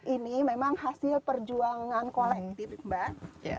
ini memang hasil perjuangan kolektif mbak